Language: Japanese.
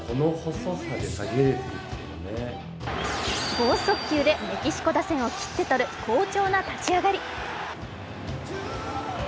剛速球でメキシコ打線を切ってとる好調な立ち上がり。